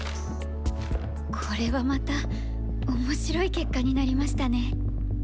これはまた面白い結果になりましたね。